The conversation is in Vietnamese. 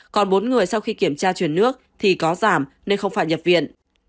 còn bốn người sau khi kiểm tra chuyển nước thì có giảm nên không phải nhập viện